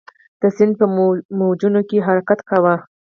د سیند په موجونو کې حرکت کاوه.